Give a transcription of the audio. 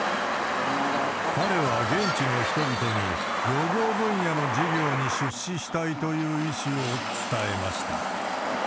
彼は現地の人々に、漁業分野の事業に出資したいという意思を伝えました。